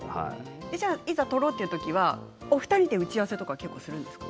いざ撮ろうという時はお二人で打ち合わせとか結構するんですか？